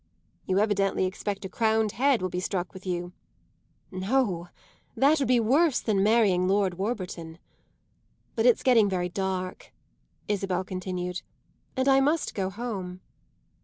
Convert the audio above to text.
"You evidently expect a crowned head will be struck with you." "No, that would be worse than marrying Lord Warburton. But it's getting very dark," Isabel continued, "and I must go home."